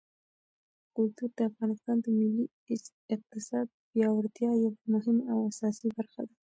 کلتور د افغانستان د ملي اقتصاد د پیاوړتیا یوه مهمه او اساسي برخه ده.